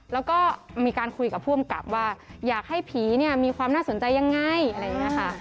แล้วก็มีการคุยกับผู้อำกับว่าอยากให้ผีเนี่ยมีความน่าสนใจยังไงอะไรอย่างนี้ค่ะ